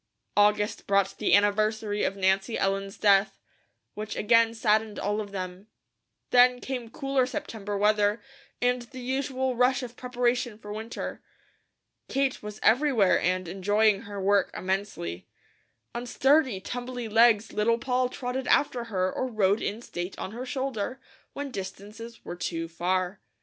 August brought the anniversary of Nancy Ellen's death, which again saddened all of them. Then came cooler September weather, and the usual rush of preparation for winter. Kate was everywhere and enjoying her work immensely. On sturdy, tumbly legs Little Poll trotted after her or rode in state on her shoulder, when distances were too far.